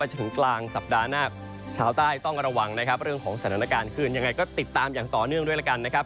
จนถึงกลางสัปดาห์หน้าชาวใต้ต้องระวังนะครับเรื่องของสถานการณ์คืนยังไงก็ติดตามอย่างต่อเนื่องด้วยละกันนะครับ